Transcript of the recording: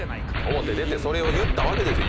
表出てそれを言ったわけですよ。